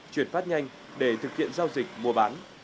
chuyển phát nhanh để thực hiện giao dịch mua bán